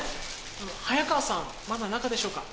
あの早川さんまだ中でしょうか？